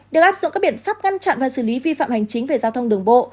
đều áp dụng các biện pháp ngăn chặn và xử lý vi phạm hành chính về giao thông đường bộ